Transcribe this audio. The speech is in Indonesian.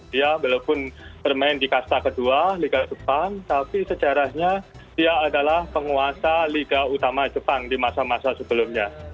dia walaupun bermain di kasta kedua liga depan tapi sejarahnya dia adalah penguasa liga utama jepang di masa masa sebelumnya